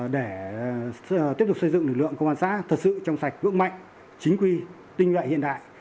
để tiếp tục xây dựng lực lượng công an xã thật sự trong sạch vững mạnh chính quy tinh nguyện hiện đại